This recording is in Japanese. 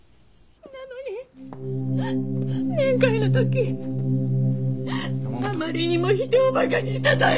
なのに面会の時あまりにも人を馬鹿にした態度で。